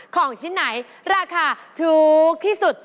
ของชิ้นไหนราคาถูกที่สุด